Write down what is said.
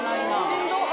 しんどっ！